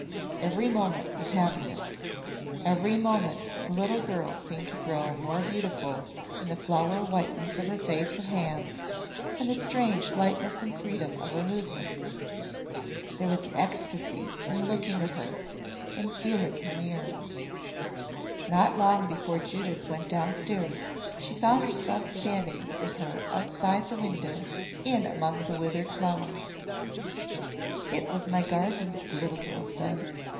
Every moment was happiness. Every moment the little girl seemed to grow more beautiful in the flower whiteness of her face and hands and the strange lightness and freedom of her movements. There was an ecstasy in looking at her in feeling her near. Not long before Judith went down stairs she found herself standing with her outside the window in among the withered flowers. "It was my garden," the little girl said.